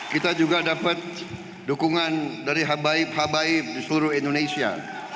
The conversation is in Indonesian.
kita juga dapat dukungan dari habaib habaib di seluruh indonesia